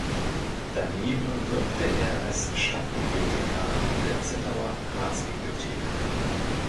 Daneben wirkte er als Stadtbibliothekar in der Zittauer Ratsbibliothek.